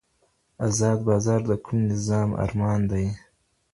ازاد بازار د کوم نظام ارمان دی؟